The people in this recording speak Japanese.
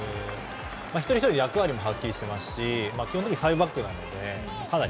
一人一人役割もはっきりしていますし基本的にファイブバックなので。